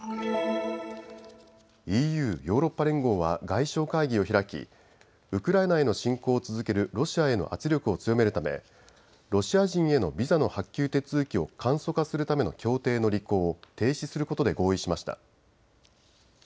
ＥＵ・ヨーロッパ連合は外相会議を開きウクライナへの侵攻を続けるロシアへの圧力を強めるためロシア人へのビザの発給手続きを簡素化するための協定の履行を停止することで合意しました。